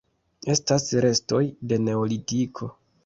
Estas restoj de Neolitiko.